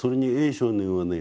少年はね